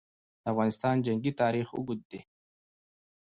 د افغانستان جنګي تاریخ اوږد دی.